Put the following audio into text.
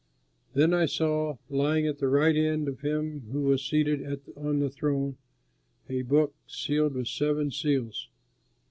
Then I saw, lying at the right hand of him who was seated on the throne, a book sealed with seven seals.